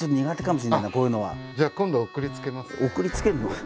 じゃあ今度送りつけますね。